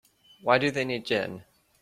Why do they need gin?